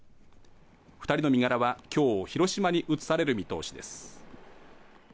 ２人の身柄は今日広島に移される見通しです。